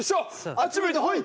あっち向いてホイ。